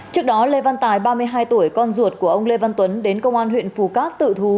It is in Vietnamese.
trước đó lê văn tài ba mươi hai tuổi con ruột của ông lê văn tuấn đến công an huyện phù cát tự thú